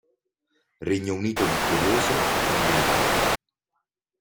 Regno Unito vittorioso, ma limitato.